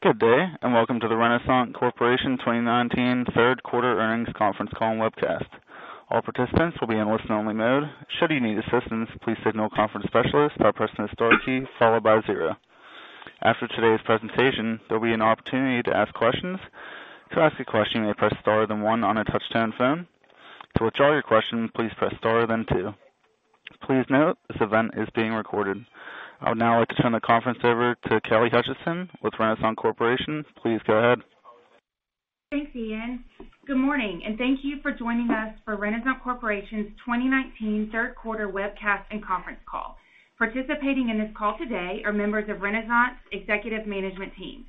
Good day, and welcome to the Renasant Corporation 2019 third quarter earnings conference call and webcast. All participants will be in listen only mode. Should you need assistance, please signal a conference specialist by pressing the star key followed by zero. After today's presentation, there'll be an opportunity to ask questions. To ask a question, you may press star then one on a touch-tone phone. To withdraw your question, please press star then two. Please note, this event is being recorded. I would now like to turn the conference over to Kelly Hutcheson with Renasant Corporation. Please go ahead. Thanks, Ian. Good morning. Thank you for joining us for Renasant Corporation's 2019 third quarter webcast and conference call. Participating in this call today are members of Renasant's executive management team.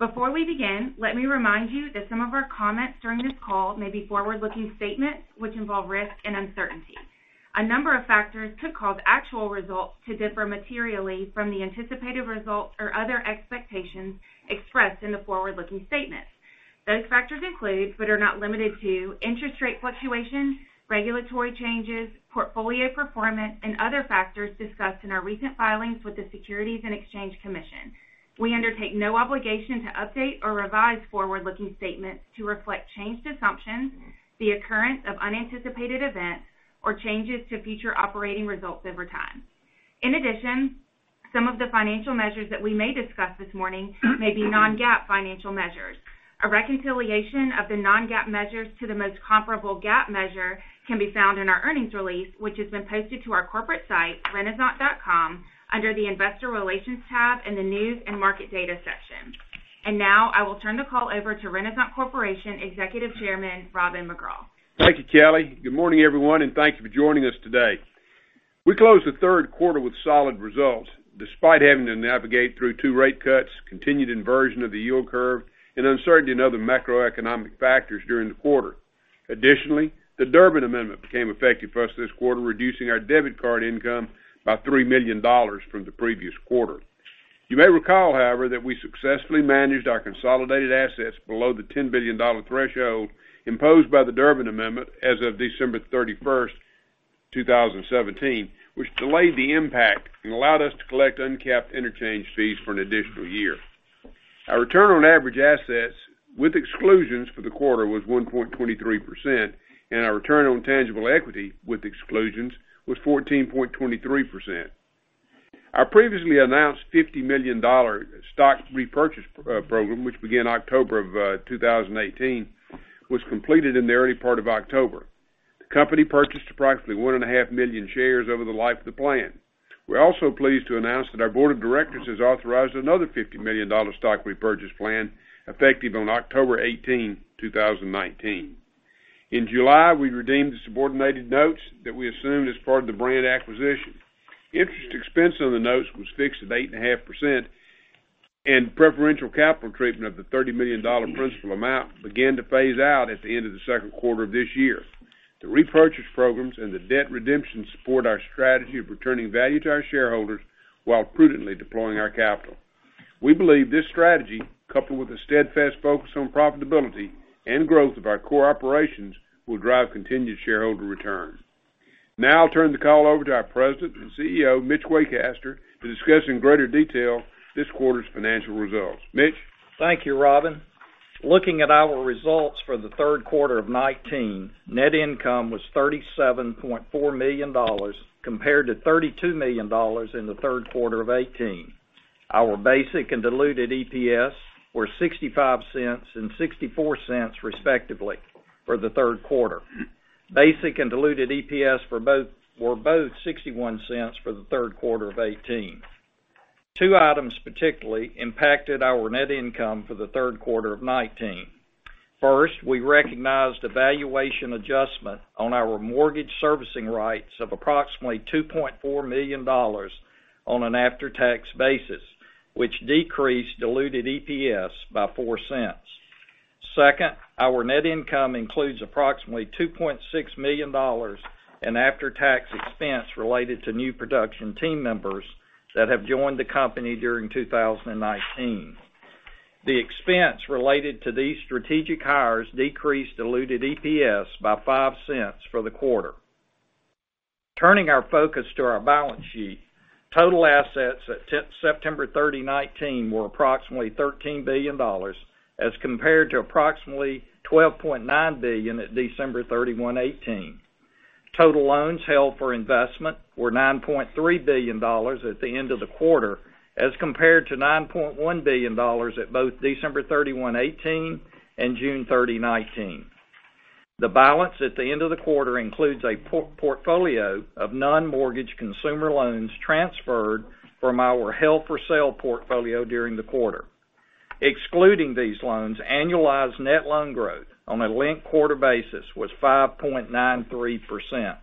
Before we begin, let me remind you that some of our comments during this call may be forward-looking statements which involve risk and uncertainty. A number of factors could cause actual results to differ materially from the anticipated results or other expectations expressed in the forward-looking statements. Those factors include, are not limited to, interest rate fluctuations, regulatory changes, portfolio performance, and other factors discussed in our recent filings with the Securities and Exchange Commission. We undertake no obligation to update or revise forward-looking statements to reflect changed assumptions, the occurrence of unanticipated events, or changes to future operating results over time. In addition, some of the financial measures that we may discuss this morning may be non-GAAP financial measures. A reconciliation of the non-GAAP measures to the most comparable GAAP measure can be found in our earnings release, which has been posted to our corporate site, renasant.com, under the investor relations tab in the news and market data section. Now, I will turn the call over to Renasant Corporation Executive Chairman, Robin McGraw. Thank you, Kelly. Good morning, everyone, and thank you for joining us today. We closed the third quarter with solid results, despite having to navigate through two rate cuts, continued inversion of the yield curve, and uncertainty in other macroeconomic factors during the quarter. Additionally, the Durbin Amendment became effective for us this quarter, reducing our debit card income by $3 million from the previous quarter. You may recall, however, that we successfully managed our consolidated assets below the $10 billion threshold imposed by the Durbin Amendment as of December 31st, 2017, which delayed the impact and allowed us to collect uncapped interchange fees for an additional year. Our return on average assets with exclusions for the quarter was 1.23%, and our return on tangible equity with exclusions was 14.23%. Our previously announced $50 million stock repurchase program, which began October of 2018, was completed in the early part of October. The company purchased approximately 1.5 million shares over the life of the plan. We're also pleased to announce that our board of directors has authorized another $50 million stock repurchase plan effective on October 18, 2019. In July, we redeemed the subordinated notes that we assumed as part of the Brand acquisition. Interest expense on the notes was fixed at 8.5%, and preferential capital treatment of the $30 million principal amount began to phase out at the end of the second quarter of this year. The repurchase programs and the debt redemption support our strategy of returning value to our shareholders while prudently deploying our capital. We believe this strategy, coupled with a steadfast focus on profitability and growth of our core operations, will drive continued shareholder return. I'll turn the call over to our President and CEO, Mitch Waycaster, to discuss in greater detail this quarter's financial results. Mitch? Thank you, Robin. Looking at our results for the third quarter of 2019, net income was $37.4 million, compared to $32 million in the third quarter of 2018. Our basic and diluted EPS were $0.65 and $0.64 respectively for the third quarter. Basic and diluted EPS were both $0.61 for the third quarter of 2018. Two items particularly impacted our net income for the third quarter of 2019. First, we recognized a valuation adjustment on our mortgage servicing rights of approximately $2.4 million on an after-tax basis, which decreased diluted EPS by $0.04. Second, our net income includes approximately $2.6 million in after-tax expense related to new production team members that have joined the company during 2019. The expense related to these strategic hires decreased diluted EPS by $0.05 for the quarter. Turning our focus to our balance sheet, total assets at September 30, 2019, were approximately $13 billion as compared to approximately $12.9 billion at December 31, 2018. Total loans held for investment were $9.3 billion at the end of the quarter, as compared to $9.1 billion at both December 31, 2018, and June 30, 2019. The balance at the end of the quarter includes a portfolio of non-mortgage consumer loans transferred from our held-for-sale portfolio during the quarter. Excluding these loans, annualized net loan growth on a linked-quarter basis was 5.93%.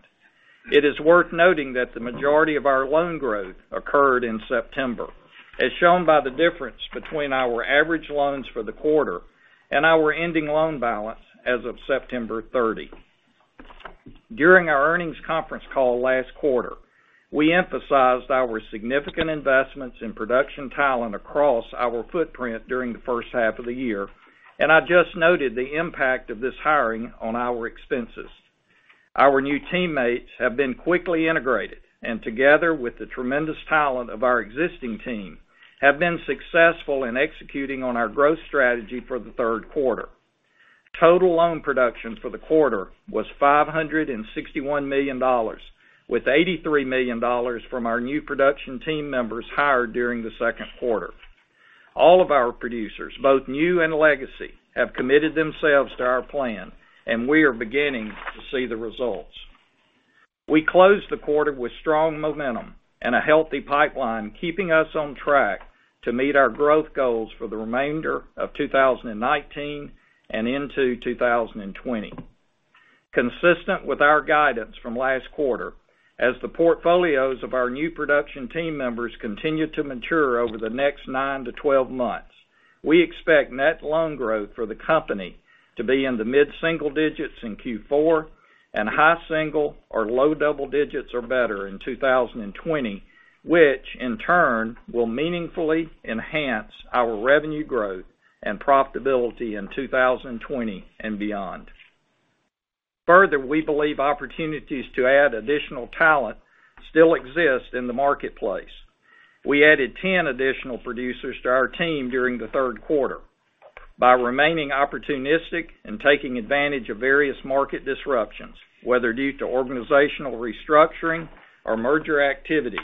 It is worth noting that the majority of our loan growth occurred in September, as shown by the difference between our average loans for the quarter and our ending loan balance as of September 30. During our earnings conference call last quarter, we emphasized our significant investments in production talent across our footprint during the first half of the year, and I just noted the impact of this hiring on our expenses. Our new teammates have been quickly integrated, and together with the tremendous talent of our existing team, have been successful in executing on our growth strategy for the third quarter. Total loan production for the quarter was $561 million, with $83 million from our new production team members hired during the second quarter. All of our producers, both new and legacy, have committed themselves to our plan, and we are beginning to see the results. We closed the quarter with strong momentum and a healthy pipeline, keeping us on track to meet our growth goals for the remainder of 2019 and into 2020. Consistent with our guidance from last quarter, as the portfolios of our new production team members continue to mature over the next 9 to 12 months, we expect net loan growth for the company to be in the mid-single digits in Q4 and high single or low double digits or better in 2020, which in turn will meaningfully enhance our revenue growth and profitability in 2020 and beyond. We believe opportunities to add additional talent still exist in the marketplace. We added 10 additional producers to our team during the third quarter. By remaining opportunistic and taking advantage of various market disruptions, whether due to organizational restructuring or merger activity,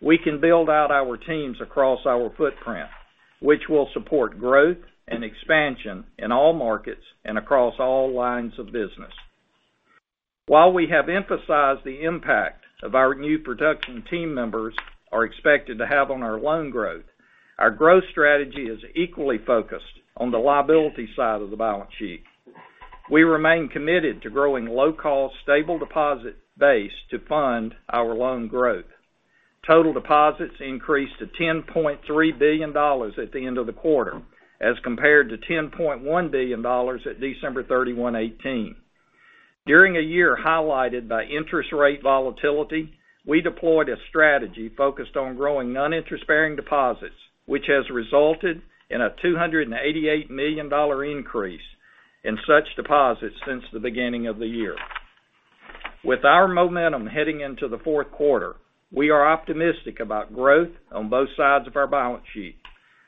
we can build out our teams across our footprint, which will support growth and expansion in all markets and across all lines of business. While we have emphasized the impact of our new production team members are expected to have on our loan growth, our growth strategy is equally focused on the liability side of the balance sheet. We remain committed to growing low-cost, stable deposit base to fund our loan growth. Total deposits increased to $10.3 billion at the end of the quarter as compared to $10.1 billion at December 31, 2018. During a year highlighted by interest rate volatility, we deployed a strategy focused on growing non-interest bearing deposits, which has resulted in a $288 million increase in such deposits since the beginning of the year. With our momentum heading into the fourth quarter, we are optimistic about growth on both sides of our balance sheet.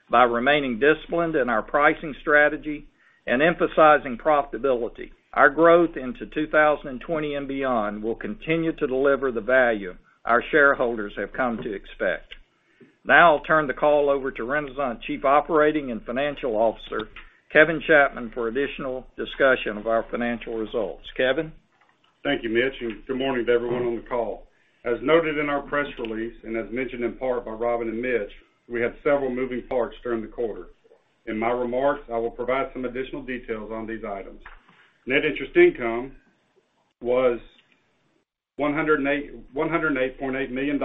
By remaining disciplined in our pricing strategy and emphasizing profitability, our growth into 2020 and beyond will continue to deliver the value our shareholders have come to expect. I'll turn the call over to Renasant Chief Operating and Financial Officer, Kevin Chapman, for additional discussion of our financial results. Kevin? Thank you, Mitch, and good morning to everyone on the call. As noted in our press release, and as mentioned in part by Robin and Mitch, we had several moving parts during the quarter. In my remarks, I will provide some additional details on these items. Net interest income was $108.8 million,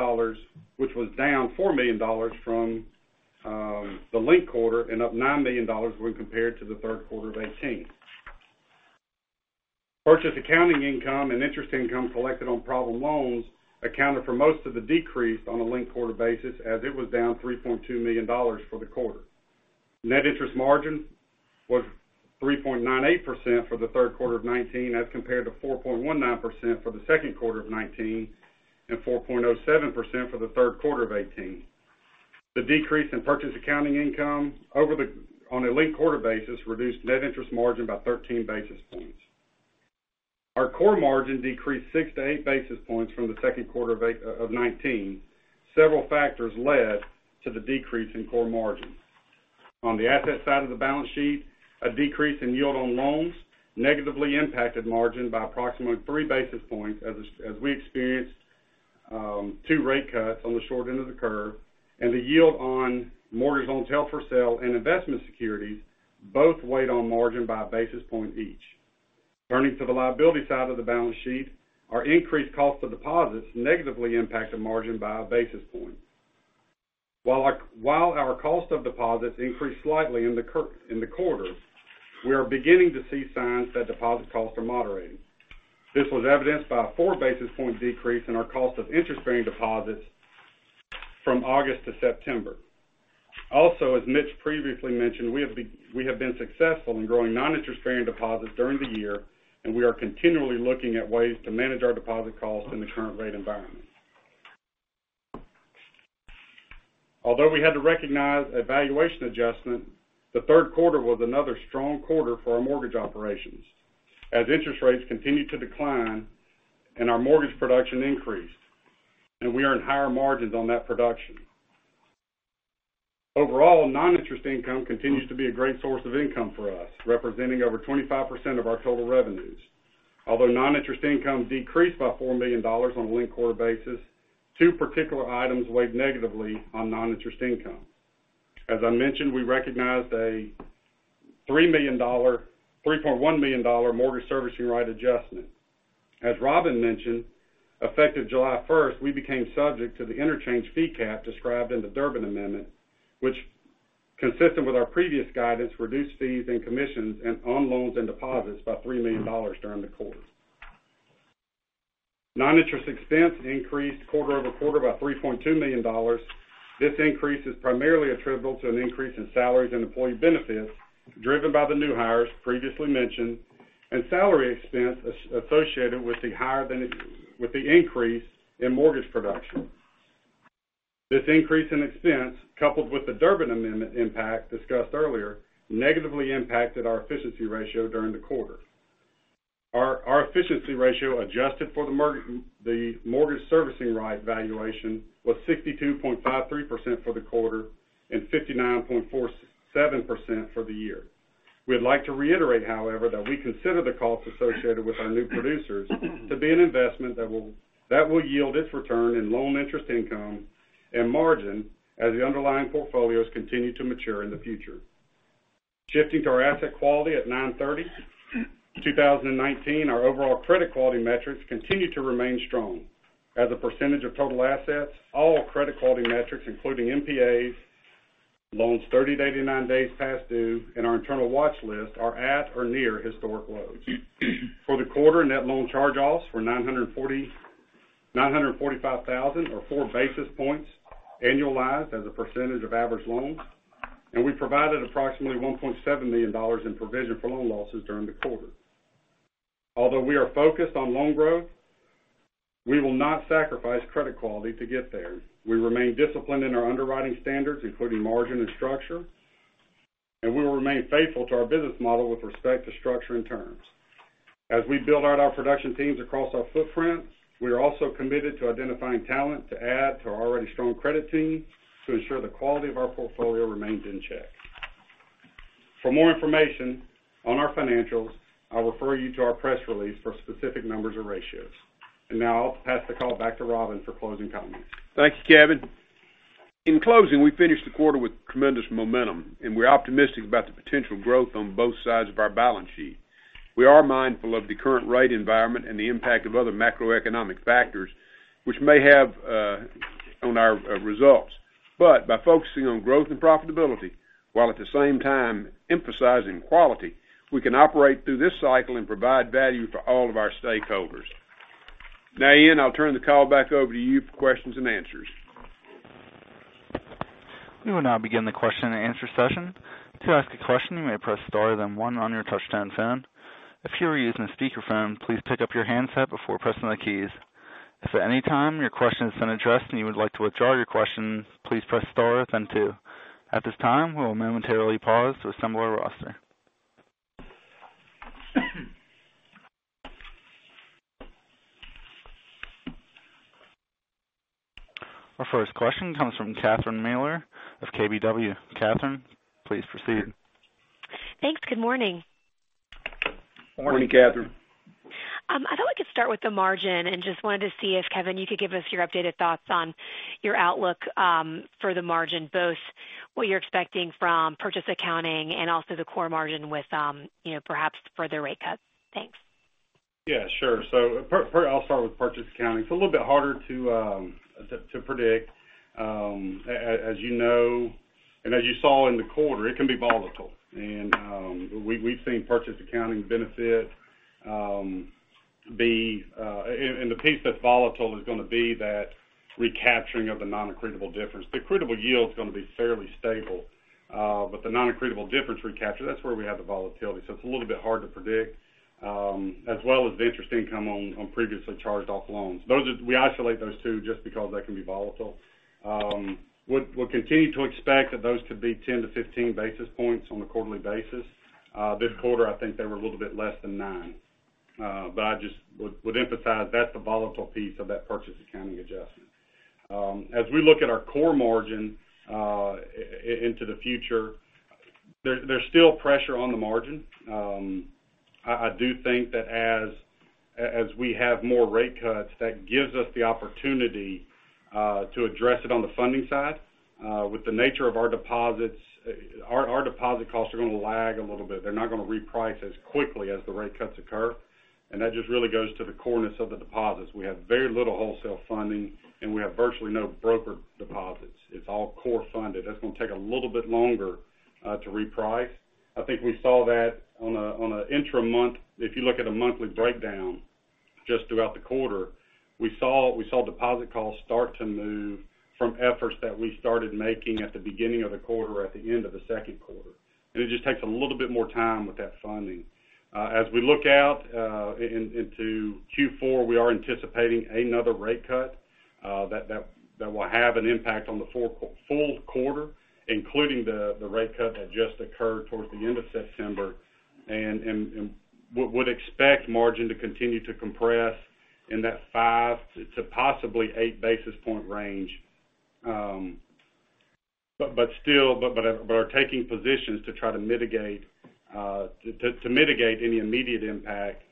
which was down $4 million from the linked quarter and up $9 million when compared to the third quarter of 2018. Purchase accounting income and interest income collected on problem loans accounted for most of the decrease on a linked quarter basis, as it was down $3.2 million for the quarter. Net interest margin was 3.98% for the third quarter of 2019 as compared to 4.19% for the second quarter of 2019 and 4.07% for the third quarter of 2018. The decrease in purchase accounting income on a linked quarter basis reduced net interest margin by 13 basis points. Our core margin decreased 6-8 basis points from the second quarter of 2019. Several factors led to the decrease in core margin. On the asset side of the balance sheet, a decrease in yield on loans negatively impacted margin by approximately three basis points, as we experienced two rate cuts on the short end of the curve, and the yield on mortgage loans held for sale and investment securities both weighed on margin by a basis point each. Turning to the liability side of the balance sheet, our increased cost of deposits negatively impacted margin by a basis point. While our cost of deposits increased slightly in the quarter, we are beginning to see signs that deposit costs are moderating. This was evidenced by a four basis point decrease in our cost of interest-bearing deposits from August to September. As Mitch previously mentioned, we have been successful in growing non-interest bearing deposits during the year, and we are continually looking at ways to manage our deposit costs in the current rate environment. Although we had to recognize a valuation adjustment, the third quarter was another strong quarter for our mortgage operations as interest rates continued to decline and our mortgage production increased, and we earned higher margins on that production. Overall, non-interest income continues to be a great source of income for us, representing over 25% of our total revenues. Although non-interest income decreased by $4 million on a linked quarter basis, two particular items weighed negatively on non-interest income. As I mentioned, we recognized a $3.1 million mortgage servicing right adjustment. As Robin mentioned, effective July 1st, we became subject to the interchange fee cap described in the Durbin Amendment, which consistent with our previous guidance, reduced fees and commissions on loans and deposits by $3 million during the quarter. Non-interest expense increased quarter-over-quarter by $3.2 million. This increase is primarily attributable to an increase in salaries and employee benefits driven by the new hires previously mentioned and salary expense associated with the increase in mortgage production. This increase in expense, coupled with the Durbin Amendment impact discussed earlier, negatively impacted our efficiency ratio during the quarter. Our efficiency ratio adjusted for the mortgage servicing right valuation was 62.53% for the quarter and 59.47% for the year. We'd like to reiterate, however, that we consider the costs associated with our new producers to be an investment that will yield its return in loan interest income and margin as the underlying portfolios continue to mature in the future. Shifting to our asset quality at 9/30/2019, our overall credit quality metrics continue to remain strong. As a percentage of total assets, all credit quality metrics, including NPAs, loans 30-89 days past due, and our internal watch list are at or near historic lows. For the quarter, net loan charge-offs were 945,000 or four basis points annualized as a percentage of average loans. We provided approximately $1.7 million in provision for loan losses during the quarter. Although we are focused on loan growth, we will not sacrifice credit quality to get there. We remain disciplined in our underwriting standards, including margin and structure, and we will remain faithful to our business model with respect to structure and terms. As we build out our production teams across our footprint, we are also committed to identifying talent to add to our already strong credit team to ensure the quality of our portfolio remains in check. For more information on our financials, I'll refer you to our press release for specific numbers or ratios. Now I'll pass the call back to Robin for closing comments. Thank you, Kevin. In closing, we finished the quarter with tremendous momentum, we're optimistic about the potential growth on both sides of our balance sheet. We are mindful of the current rate environment and the impact of other macroeconomic factors which may have on our results. By focusing on growth and profitability while at the same time emphasizing quality, we can operate through this cycle and provide value for all of our stakeholders. Now, Ian, I'll turn the call back over to you for questions and answers. We will now begin the question and answer session. To ask a question, you may press star then 1 on your touch-tone phone. If you are using a speakerphone, please pick up your handset before pressing the keys. If at any time your question is unaddressed and you would like to withdraw your question, please press star then 2. At this time, we will momentarily pause to assemble our roster. Our first question comes from Catherine Mealor of KBW. Catherine, please proceed. Thanks. Good morning. Morning, Catherine. I thought we could start with the margin and just wanted to see if, Kevin, you could give us your updated thoughts on your outlook for the margin, both what you're expecting from purchase accounting and also the core margin with perhaps further rate cuts. Thanks. Yeah, sure. I'll start with purchase accounting. It's a little bit harder to predict. As you know, and as you saw in the quarter, it can be volatile. We've seen purchase accounting benefit. The piece that's volatile is going to be that recapturing of the non-accretable difference. The accretable yield is going to be fairly stable, but the non-accretable difference recapture, that's where we have the volatility. It's a little bit hard to predict, as well as the interest income on previously charged-off loans. We isolate those two just because they can be volatile. We'll continue to expect that those to be 10 to 15 basis points on a quarterly basis. This quarter, I think they were a little bit less than nine. I just would emphasize that's the volatile piece of that purchase accounting adjustment. As we look at our core margin into the future, there's still pressure on the margin. I do think that as we have more rate cuts, that gives us the opportunity to address it on the funding side. With the nature of our deposits, our deposit costs are going to lag a little bit. They're not going to reprice as quickly as the rate cuts occur, and that just really goes to the coreness of the deposits. We have very little wholesale funding, and we have virtually no broker deposits. It's all core funded. That's going to take a little bit longer to reprice. I think we saw that on a intra-month, if you look at a monthly breakdown just throughout the quarter, we saw deposit costs start to move from efforts that we started making at the beginning of the quarter, at the end of the second quarter. It just takes a little bit more time with that funding. As we look out into Q4, we are anticipating another rate cut that will have an impact on the full quarter, including the rate cut that just occurred towards the end of September, and would expect margin to continue to compress in that 5 to possibly 8 basis point range. Are taking positions to try to mitigate any immediate impact.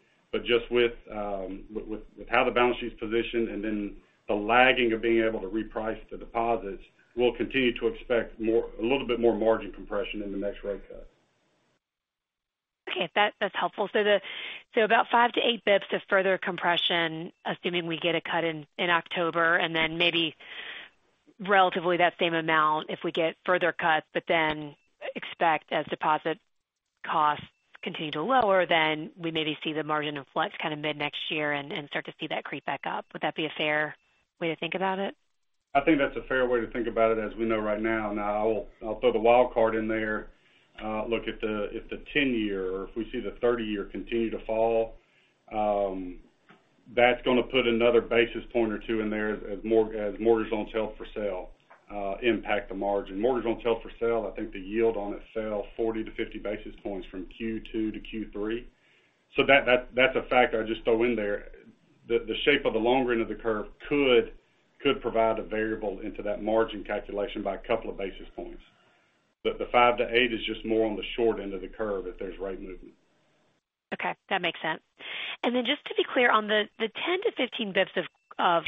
Just with how the balance sheet's positioned and then the lagging of being able to reprice the deposits, we'll continue to expect a little bit more margin compression in the next rate cut. Okay, that's helpful. About 5 to 8 basis points of further compression, assuming we get a cut in October, maybe relatively that same amount if we get further cuts, expect as deposit costs continue to lower, then we maybe see the margin of flats kind of mid-next year and start to see that creep back up. Would that be a fair way to think about it? I think that's a fair way to think about it as we know right now. Now, I'll throw the wild card in there. Look, if the 10-year or if we see the 30-year continue to fall, that's going to put another basis point or two in there as mortgage loans held for sale impact the margin. Mortgage loans held for sale, I think the yield on it fell 40 to 50 basis points from Q2 to Q3. That's a factor I just throw in there. The shape of the long run of the curve could provide a variable into that margin calculation by a couple of basis points. The 5-8 is just more on the short end of the curve if there's rate movement. Okay, that makes sense. Just to be clear on the 10 to 15 basis points of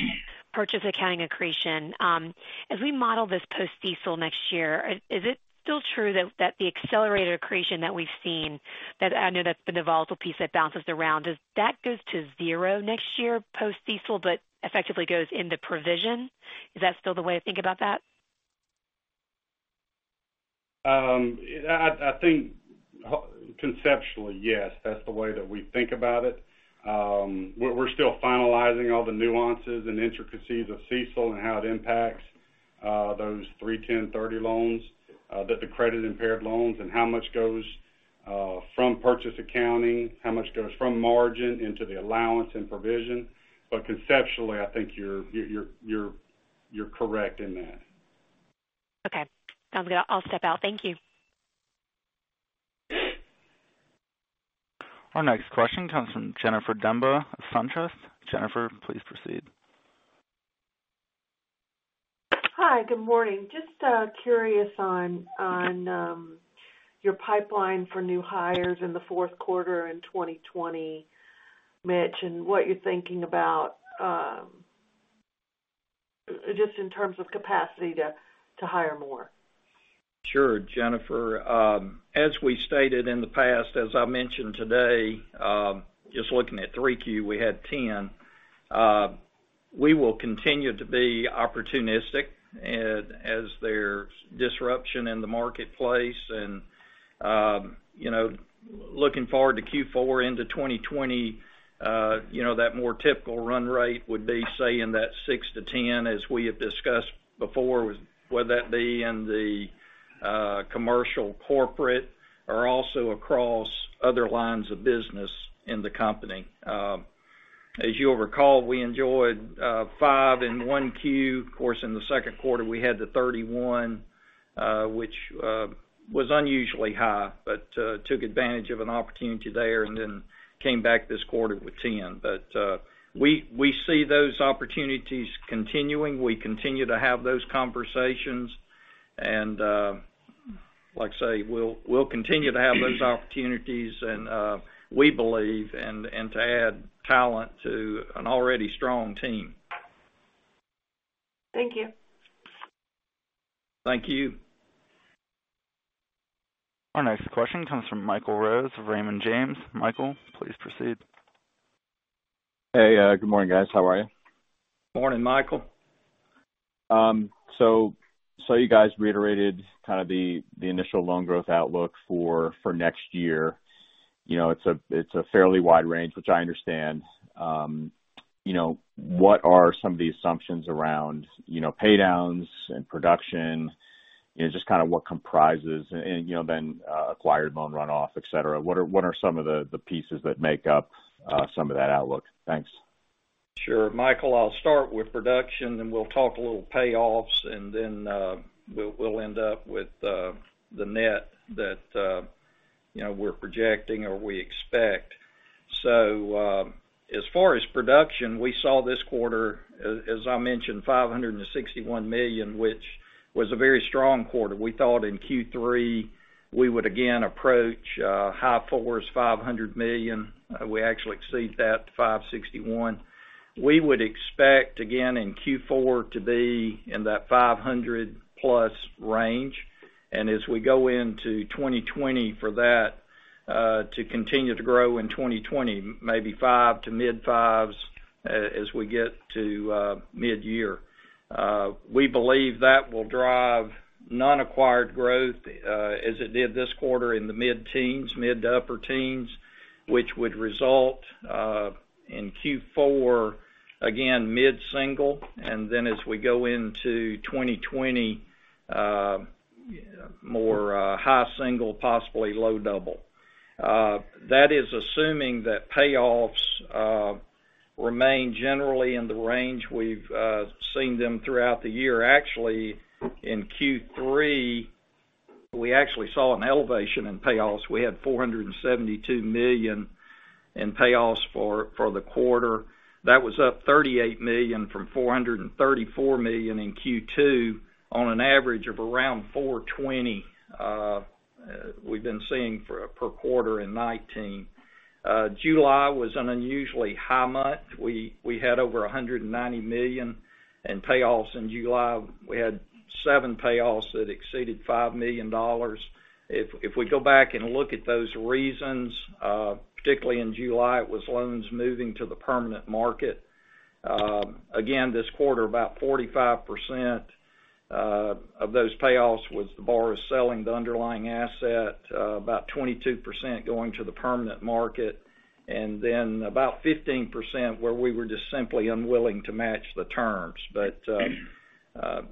purchase accounting accretion, as we model this post-CECL next year, is it still true that the accelerated accretion that we've seen, I know that's been a volatile piece that bounces around, does that goes to zero next year post-CECL, but effectively goes into provision? Is that still the way to think about that? I think conceptually, yes. That's the way that we think about it. We're still finalizing all the nuances and intricacies of CECL and how it impacts those 3, 10, 30 loans, that the credit impaired loans, and how much goes from purchase accounting, how much goes from margin into the allowance and provision. Conceptually, I think you're correct in that. Okay. Sounds good. I'll step out. Thank you. Our next question comes from Jennifer Demba of SunTrust. Jennifer, please proceed. Hi, good morning. Just curious on your pipeline for new hires in the fourth quarter in 2020, Mitch, and what you're thinking about, just in terms of capacity to hire more. Sure, Jennifer. As we stated in the past, as I mentioned today, just looking at 3Q, we had 10. We will continue to be opportunistic as there's disruption in the marketplace. Looking forward to Q4 into 2020, that more typical run rate would be, say, in that six to 10, as we have discussed before, whether that be in the commercial corporate or also across other lines of business in the company. As you'll recall, we enjoyed five in one Q. Of course, in the second quarter, we had the 31, which was unusually high, but took advantage of an opportunity there and then came back this quarter with 10. We see those opportunities continuing. We continue to have those conversations, and like I say, we'll continue to have those opportunities, and we believe, and to add talent to an already strong team. Thank you. Thank you. Our next question comes from Michael Rose of Raymond James. Michael, please proceed. Hey, good morning, guys. How are you? Morning, Michael. You guys reiterated kind of the initial loan growth outlook for next year. It's a fairly wide range, which I understand. What are some of the assumptions around paydowns and production? Just kind of what comprises, and then acquired loan runoff, et cetera. What are some of the pieces that make up some of that outlook? Thanks. Sure, Michael, I'll start with production, then we'll talk a little payoffs, and then we'll end up with the net that we're projecting or we expect. As far as production, we saw this quarter, as I mentioned, $561 million, which was a very strong quarter. We thought in Q3 we would again approach high fours, $500 million. We actually exceeded that, $561. We would expect again in Q4 to be in that 500-plus range. As we go into 2020 for that to continue to grow in 2020, maybe five to mid-fives as we get to mid-year. We believe that will drive non-acquired growth as it did this quarter in the mid-teens, mid to upper teens, which would result in Q4, again, mid-single. As we go into 2020, more high single, possibly low double. That is assuming that payoffs remain generally in the range we've seen them throughout the year. Actually, in Q3, we actually saw an elevation in payoffs. We had $472 million in payoffs for the quarter. That was up $38 million from $434 million in Q2 on an average of around $420 million we've been seeing per quarter in 2019. July was an unusually high month. We had over $190 million in payoffs in July. We had seven payoffs that exceeded $5 million. If we go back and look at those reasons, particularly in July, it was loans moving to the permanent market. This quarter, about 45% of those payoffs was the borrowers selling the underlying asset, about 22% going to the permanent market, and then about 15% where we were just simply unwilling to match the terms.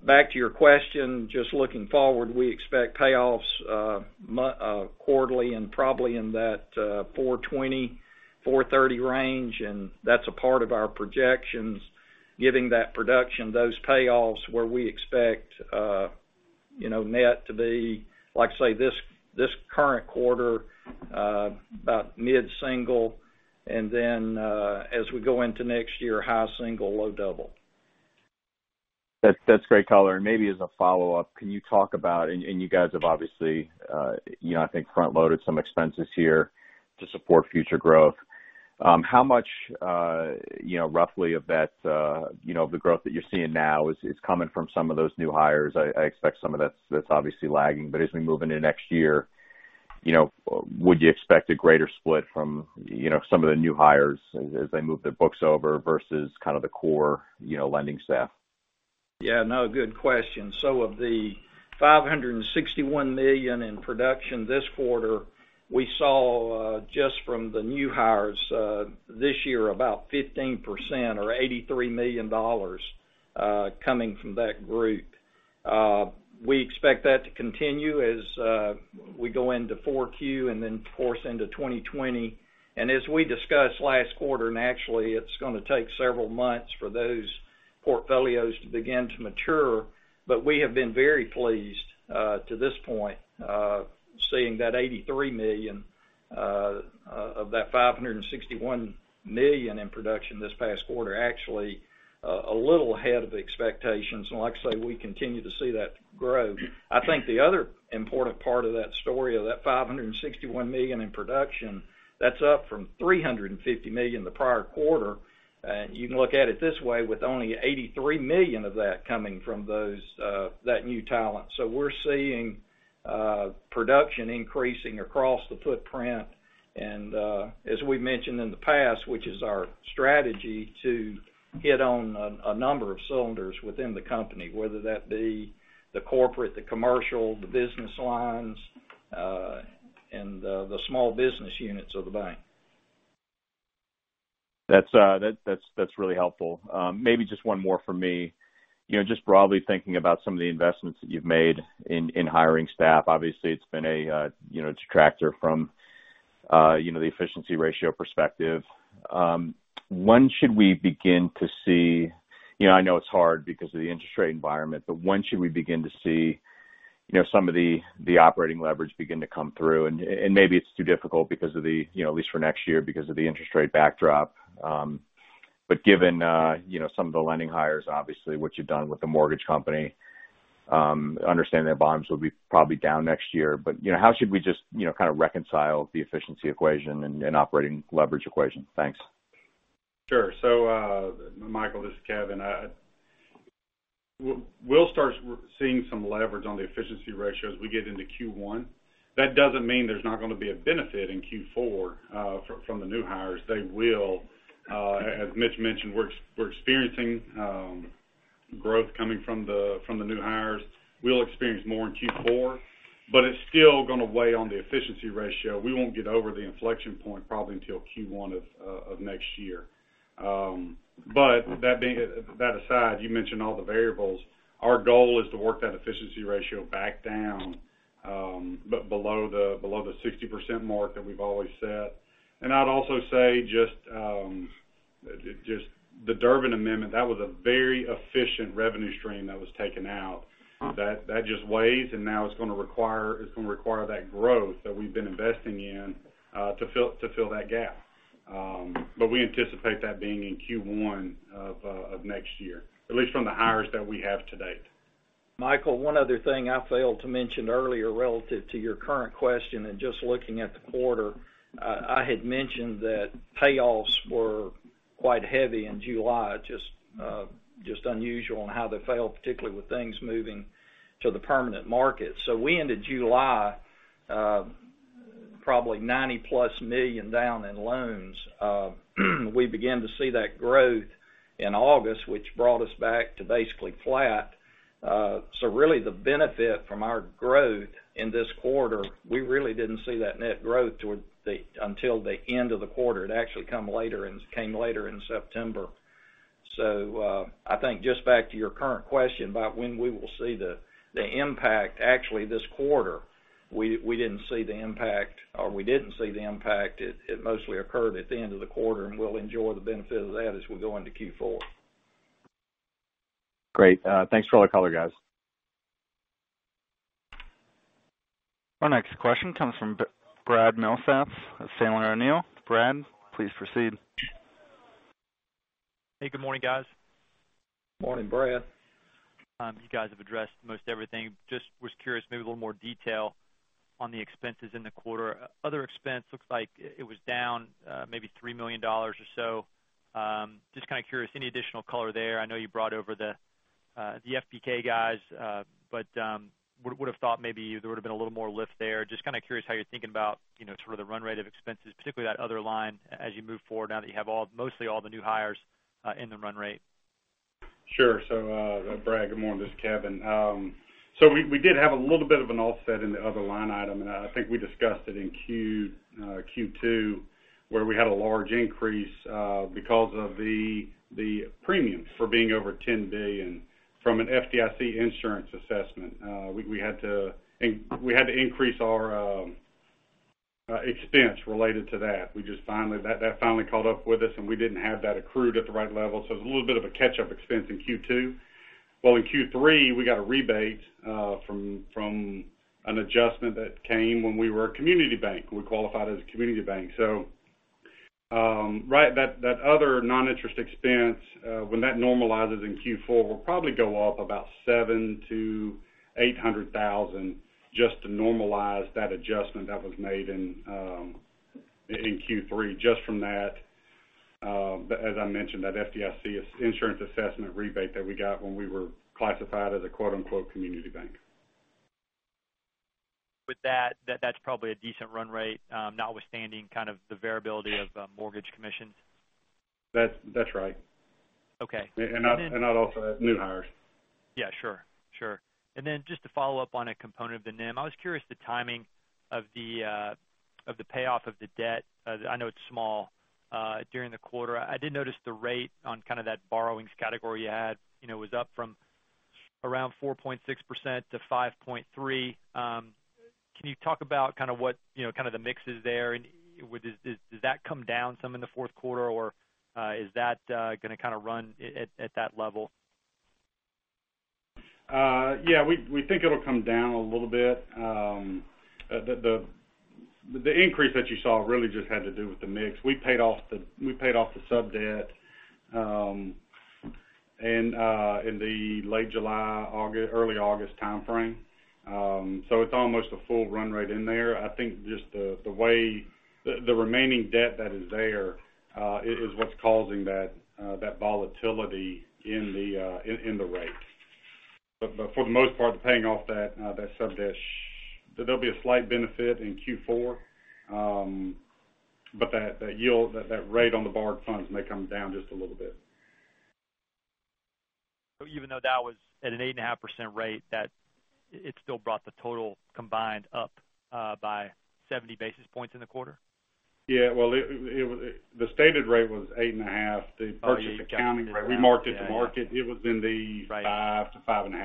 Back to your question, just looking forward, we expect payoffs quarterly and probably in that $420, $430 range, and that's a part of our projections, giving that production, those payoffs, where we expect net to be, like I say, this current quarter about mid-single, and then as we go into next year, high single, low double. That's great color. Maybe as a follow-up, can you talk about, and you guys have obviously, I think, front-loaded some expenses here to support future growth. How much roughly of the growth that you're seeing now is coming from some of those new hires? I expect some of that's obviously lagging. As we move into next year, would you expect a greater split from some of the new hires as they move their books over, versus kind of the core lending staff? Yeah. No, good question. Of the $561 million in production this quarter, we saw just from the new hires this year, about 15% or $83 million coming from that group. We expect that to continue as we go into 4Q and then, of course, into 2020. As we discussed last quarter, naturally, it's going to take several months for those portfolios to begin to mature. We have been very pleased to this point, seeing that $83 million of that $561 million in production this past quarter, actually a little ahead of expectations, and like I say, we continue to see that grow. I think the other important part of that story, of that $561 million in production, that's up from $350 million the prior quarter. You can look at it this way, with only $83 million of that coming from that new talent. We're seeing production increasing across the footprint, and as we mentioned in the past, which is our strategy, to hit on a number of cylinders within the company, whether that be the corporate, the commercial, the business lines, and the small business units of the bank. That's really helpful. Maybe just one more from me. Just broadly thinking about some of the investments that you've made in hiring staff, obviously, it's been a detractor from the efficiency ratio perspective. When should we begin to see? I know it's hard because of the interest rate environment, but when should we begin to see some of the operating leverage begin to come through? Maybe it's too difficult because of the, at least for next year, because of the interest rate backdrop. Given some of the lending hires, obviously, what you've done with the mortgage company, understanding that bonds will be probably down next year, but how should we just kind of reconcile the efficiency equation and operating leverage equation? Thanks. Sure. Michael, this is Kevin. We'll start seeing some leverage on the efficiency ratio as we get into Q1. That doesn't mean there's not going to be a benefit in Q4 from the new hires. They will. As Mitch mentioned, we're experiencing growth coming from the new hires. We'll experience more in Q4, but it's still going to weigh on the efficiency ratio. We won't get over the inflection point probably until Q1 of next year. That aside, you mentioned all the variables. Our goal is to work that efficiency ratio back down below the 60% mark that we've always set. I'd also say just the Durbin Amendment, that was a very efficient revenue stream that was taken out. That just weighs, and now it's going to require that growth that we've been investing in to fill that gap. We anticipate that being in Q1 of next year, at least from the hires that we have to date. Michael, one other thing I failed to mention earlier relative to your current question and just looking at the quarter, I had mentioned that payoffs were quite heavy in July, just unusual in how they fell, particularly with things moving to the permanent market. We ended July probably $90-plus million down in loans. We began to see that growth in August, which brought us back to basically flat. Really the benefit from our growth in this quarter, we really didn't see that net growth until the end of the quarter. It actually came later in September. I think just back to your current question about when we will see the impact, actually this quarter, we didn't see the impact, or we didn't see the impact. It mostly occurred at the end of the quarter, and we'll enjoy the benefit of that as we go into Q4. Great. Thanks for all the color, guys. Our next question comes from Brad Milsaps of Sandler O'Neill. Brad, please proceed. Hey, good morning, guys. Morning, Brad. You guys have addressed most everything. Just was curious, maybe a little more detail on the expenses in the quarter. Other expense looks like it was down maybe $3 million or so. Just kind of curious, any additional color there? I know you brought over the FPK guys, but would've thought maybe there would've been a little more lift there. Just kind of curious how you're thinking about sort of the run rate of expenses, particularly that other line as you move forward, now that you have mostly all the new hires in the run rate. Sure. Brad, good morning. This is Kevin. We did have a little bit of an offset in the other line item, and I think we discussed it in Q2, where we had a large increase because of the premiums for being over $10 billion from an FDIC insurance assessment. We had to increase our expense related to that. That finally caught up with us, and we didn't have that accrued at the right level, so it was a little bit of a catch-up expense in Q2. In Q3, we got a rebate from an adjustment that came when we were a community bank. We qualified as a community bank. That other non-interest expense, when that normalizes in Q4, will probably go up about $700,000-$800,000 just to normalize that adjustment that was made in Q3 just from that, as I mentioned, that FDIC insurance assessment rebate that we got when we were classified as a "community bank. With that's probably a decent run rate, notwithstanding kind of the variability of mortgage commissions. That's right. Okay. Not offset new hires. Yeah, sure. Just to follow up on a component of the NIM, I was curious the timing of the payoff of the debt. I know it's small during the quarter. I did notice the rate on kind of that borrowings category you had, was up from around 4.6% to 5.3%. Can you talk about what kind of the mix is there, and does that come down some in the fourth quarter, or is that going to kind of run at that level? We think it'll come down a little bit. The increase that you saw really just had to do with the mix. We paid off the sub-debt in the late July, early August timeframe. It's almost a full run rate in there. I think just the remaining debt that is there is what's causing that volatility in the rate. For the most part, they're paying off that sub-debt. There'll be a slight benefit in Q4, that yield, that rate on the borrowed funds may come down just a little bit. Even though that was at an 8.5% rate, it still brought the total combined up by 70 basis points in the quarter? Yeah. Well, the stated rate was 8.5%. Oh, yeah. Got it. We marked it to market. Right 5%-5.5%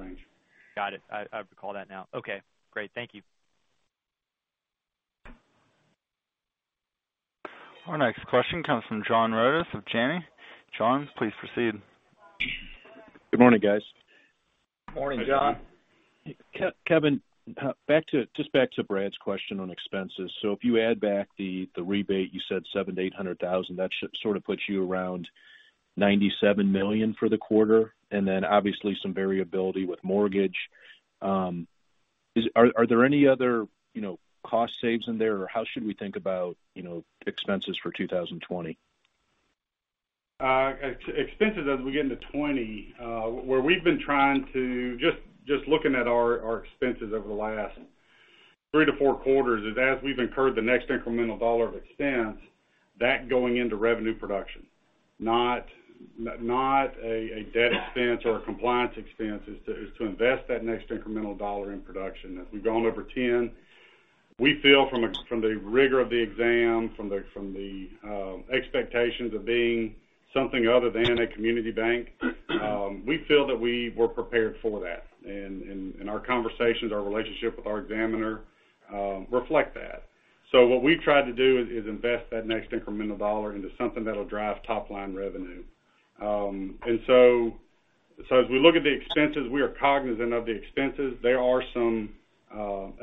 range. Got it. I recall that now. Okay, great. Thank you. Our next question comes from John Rodis of Janney. John, please proceed. Good morning, guys. Morning, John. Kevin, just back to Brad's question on expenses. If you add back the rebate, you said $700,000-$800,000, that sort of puts you around $97 million for the quarter, and then obviously some variability with mortgage. Are there any other cost saves in there, or how should we think about expenses for 2020? Expenses as we get into 2020, where we've been just looking at our expenses over the last three to four quarters is as we've incurred the next incremental dollar of expense, that going into revenue production, not a debt expense or a compliance expense, is to invest that next incremental dollar in production. As we've gone over 10, we feel from the rigor of the exam, from the expectations of being something other than a community bank, we feel that we were prepared for that. Our conversations, our relationship with our examiner reflect that. What we've tried to do is invest that next incremental dollar into something that'll drive top-line revenue. As we look at the expenses, we are cognizant of the expenses. There are some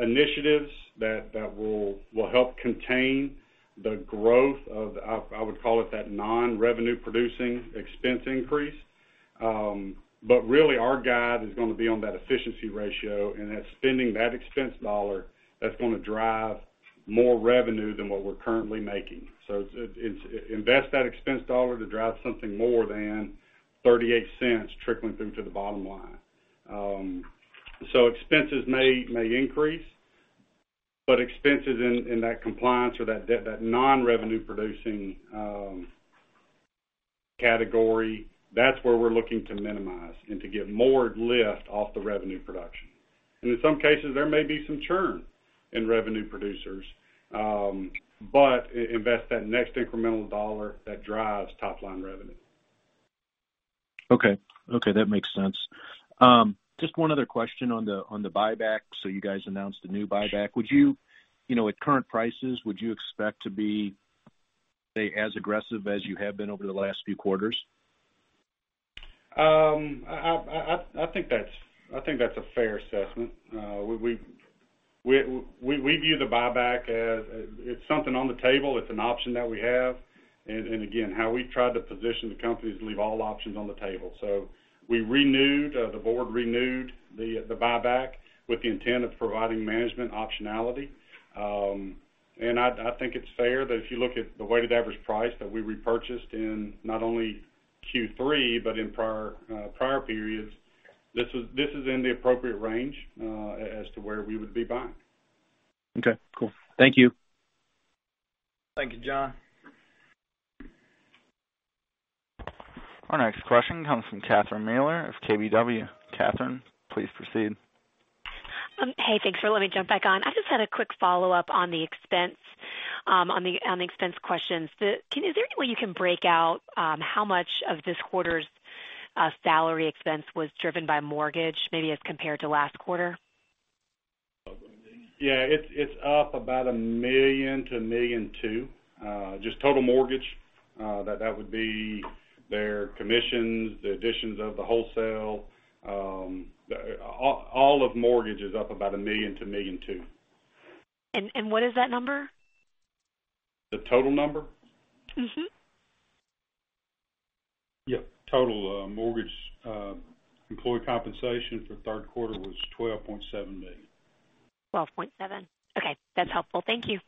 initiatives that will help contain the growth of, I would call it that non-revenue producing expense increase. Really our guide is going to be on that efficiency ratio and that spending that expense dollar that's going to drive more revenue than what we're currently making. It's invest that expense dollar to drive something more than $0.38 trickling through to the bottom line. Expenses may increase, but expenses in that compliance or that non-revenue producing category, that's where we're looking to minimize and to get more lift off the revenue production. In some cases, there may be some churn in revenue producers. Invest that next incremental dollar that drives top-line revenue. Okay. That makes sense. Just one other question on the buyback. You guys announced a new buyback. At current prices, would you expect to be, say, as aggressive as you have been over the last few quarters? I think that's a fair assessment. We view the buyback as it's something on the table. It's an option that we have. Again, how we've tried to position the company is leave all options on the table. We renewed, the board renewed, the buyback with the intent of providing management optionality. I think it's fair that if you look at the weighted average price that we repurchased in not only Q3 but in prior periods, this is in the appropriate range as to where we would be buying. Okay, cool. Thank you. Thank you, John. Our next question comes from Catherine Mealor of KBW. Catherine, please proceed. Hey, thanks for letting me jump back on. I just had a quick follow-up on the expense questions. Is there any way you can break out how much of this quarter's salary expense was driven by mortgage, maybe as compared to last quarter? Yeah, it's up about $1 million-$1.2 million. Just total mortgage, that would be their commissions, the additions of the wholesale. All of mortgage is up about $1 million-$1.2 million. What is that number? The total number? Yeah. Total mortgage employee compensation for third quarter was $12.7 million. 12.7. Okay, that's helpful. Thank you.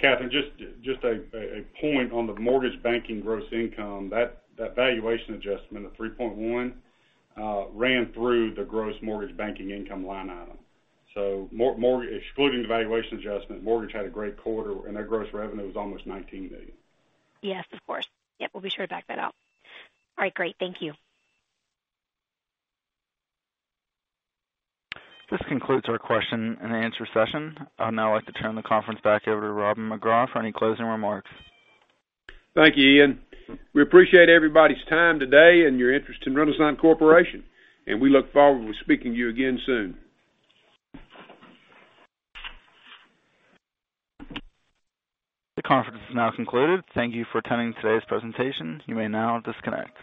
Catherine, just a point on the mortgage banking gross income, that valuation adjustment of $3.1 ran through the gross mortgage banking income line item. Excluding the valuation adjustment, mortgage had a great quarter, and their gross revenue was almost $19 million. Yes, of course. Yep, we'll be sure to back that out. All right, great. Thank you. This concludes our question and answer session. I'd now like to turn the conference back over to Robin McGraw for any closing remarks. Thank you, Ian. We appreciate everybody's time today and your interest in Renasant Corporation, and we look forward to speaking to you again soon. The conference is now concluded. Thank you for attending today's presentation. You may now disconnect.